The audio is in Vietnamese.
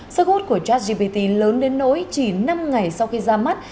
sơ gốt của chatgpt lớn đến nỗi chỉ năm ngày sau khi ra mắt